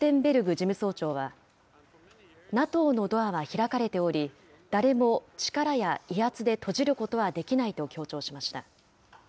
事務総長は、ＮＡＴＯのドアは開かれており、誰も力や威圧で閉じることはできないと強調しました。